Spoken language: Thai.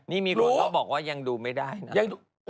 นี่มีคนเขาบอกว่ายังดูไม่ได้นะ